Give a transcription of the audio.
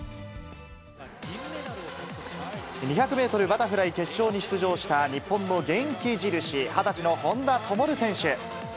バタフライ決勝に出場した日本の元気印、２０歳の本多灯選手。